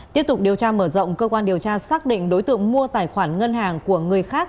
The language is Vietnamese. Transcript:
tiếp tục điều tra mở rộng cơ quan điều tra xác định đối tượng mua tài khoản ngân hàng của người khác